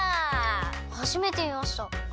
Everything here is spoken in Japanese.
はじめてみました。